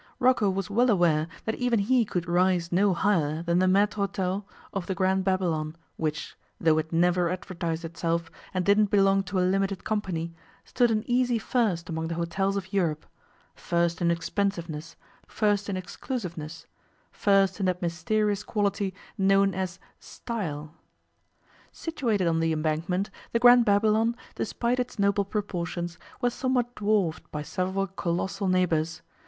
Rocco was well aware that even he could rise no higher than the maître hotel of the Grand Babylon, which, though it never advertised itself, and didn't belong to a limited company, stood an easy first among the hotels of Europe first in expensiveness, first in exclusiveness, first in that mysterious quality known as 'style'. Situated on the Embankment, the Grand Babylon, despite its noble proportions, was somewhat dwarfed by several colossal neighbours.